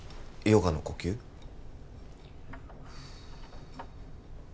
ヨガの呼吸ふっ